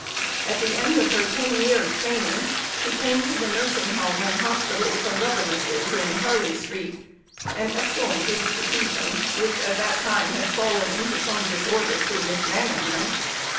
At the end of her ten years' training, she came to the nursing home and hospital for governesses in Harley Street, an excellent institution, which at that time had fallen into some disorder through mismanagement.